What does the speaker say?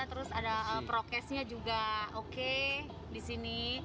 terus ada prokesnya juga oke di sini